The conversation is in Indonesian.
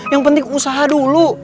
yang penting usaha dulu